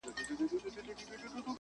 شرمنده به د پردیو مزدوران سي،